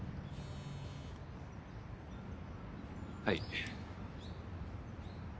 はい。